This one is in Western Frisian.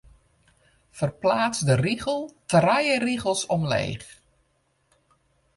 Ferpleats de rigel trije rigels omleech.